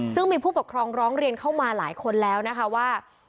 ซึ่งมีผู้ปกครองร้องเรียนเข้ามาหลายคนแล้วนะคะว่า